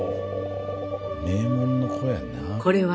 名門の子やな。